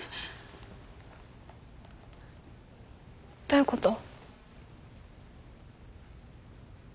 どういうこと？